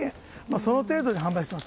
その程度で販売しています。